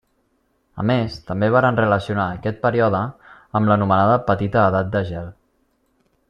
A més, també varen relacionar aquest període amb l'anomenada Petita Edat de Gel.